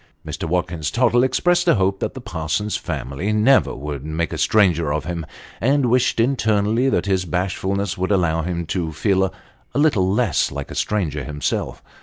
Mr. Watkins Tottle expressed a hope that the Parsons family never would make a stranger of him ; and wished internally that his bash fulness would allow him to feel a little less like a stranger himself.